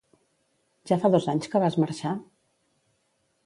Ja fa dos anys que vas marxar?